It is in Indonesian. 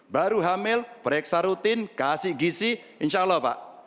baru hamil periksa rutin kasih gizi insya allah pak